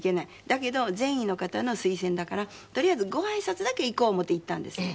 だけど善意の方の推薦だからとりあえずご挨拶だけ行こう思って行ったんですね。